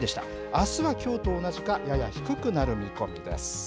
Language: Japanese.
あすはきょうと同じかやや低くなる見込みです。